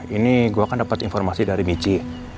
ini gue kan dapet informasi dari bici